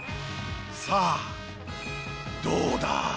さあどうだ！？